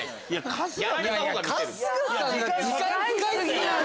春日さん